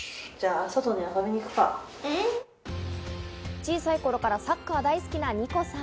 小さい頃からサッカー大好きなニコさん。